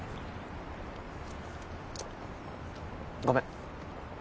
ごめん